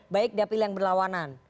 baik dapil yang berlawanan